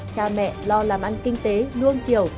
cha mẹ lo làm ăn kinh tế nuông chiều